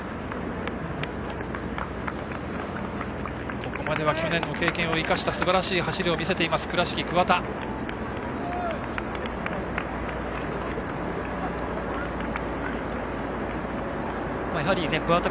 ここまでは去年の経験を生かしたすばらしい走りを見せている倉敷の桑田。